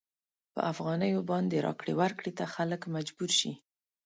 په افغانیو باندې راکړې ورکړې ته خلک مجبور شي.